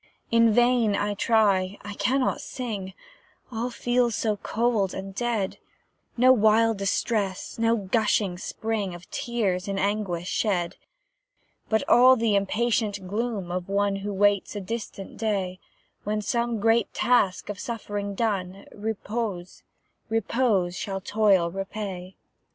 In vain I try; I cannot sing; All feels so cold and dead; No wild distress, no gushing spring Of tears in anguish shed; But all the impatient gloom of one Who waits a distant day, When, some great task of suffering done, Repose shall toil repay.